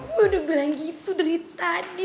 gue udah bilang gitu dari tadi